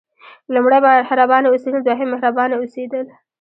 لومړی مهربانه اوسېدل دوهم مهربانه اوسېدل.